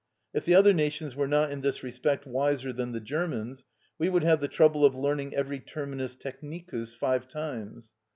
If the other nations were not in this respect wiser than the Germans, we would have the trouble of learning every terminus technicus five times.